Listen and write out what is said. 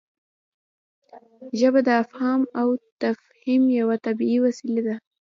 ژبه د افهام او تفهیم یوه طبیعي وسیله ده.